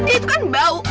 itu kan bau